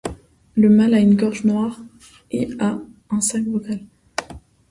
Le mâle a une gorge noire et a un sac vocal.